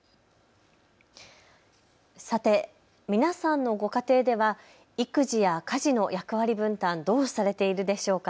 さて、皆さんのご家庭では育児や家事の役割分担、どうされているでしょうか。